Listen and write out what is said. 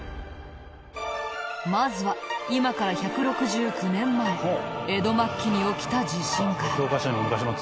まずは今から１６９年前江戸末期に起きた地震から。